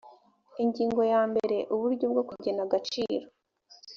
ingingo ya mbere uburyo bwo kugena agaciro